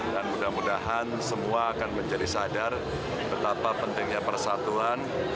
dan mudah mudahan semua akan menjadi sadar betapa pentingnya persatuan